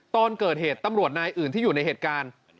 ตอนเกิดเหตุตำรวจนายอื่นที่อยู่ในเหตุการณ์